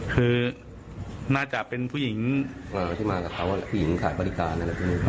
คือน่าจะเป็นผู้หญิงอ่าที่มากับเขาผู้หญิงขายบริการนั่นแหละพี่